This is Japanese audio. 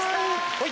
はい。